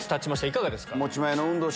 いかがですか？